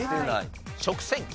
食洗機。